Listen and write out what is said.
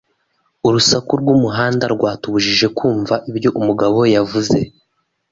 Urusaku rwumuhanda rwatubujije kumva ibyo umugabo yavuze.